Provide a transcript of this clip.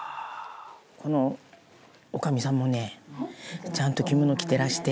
「この女将さんもねちゃんと着物を着てらして」